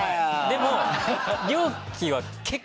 でも。